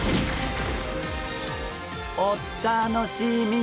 お楽しみに！